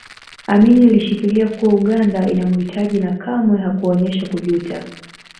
Amin alishikilia kuwa Uganda inamuhitaji na kamwe hakuonyesha kujuta